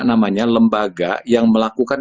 namanya lembaga yang melakukan